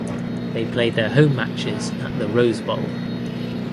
They played their home matches at the Rose Bowl.